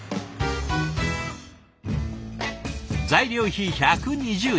材料費１２０円。